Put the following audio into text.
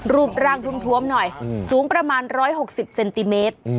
รูปร่างทุ่มทวมหน่อยอืมสูงประมาณร้อยหกสิบเซนติเมตรอืม